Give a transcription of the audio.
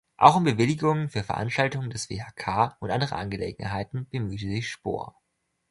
Auch um Bewilligungen für Veranstaltungen des WhK und andere Angelegenheiten bemühte sich Spohr.